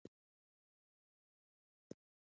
ګړی وروسته مې فکر وکړ، له ما پرته خو درې نفره نور هم شته.